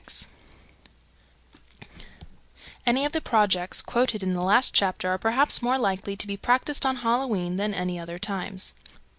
Any of the projects quoted in the last chapter are perhaps more likely to be practised on Halloween than at other times.